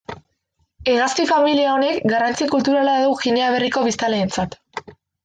Hegazti-familia honek garrantzi kulturala du Ginea Berriko biztanleentzat.